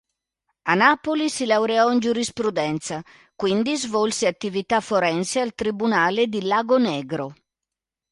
A Napoli si laureò in Giurisprudenza, quindi svolse attività forense al tribunale di Lagonegro.